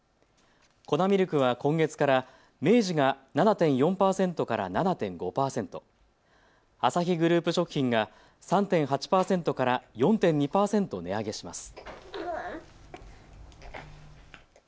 粉ミルクは今月から明治が７．４％から７．５％、アサヒグループ食品が３．８％から４．２％値上げします。